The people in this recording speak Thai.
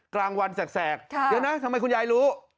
กลางวันแสกเดี๋ยวนะทำไมคุณยายรู้